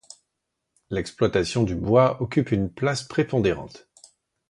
L’exploitation du bois occupe une place prépondérante.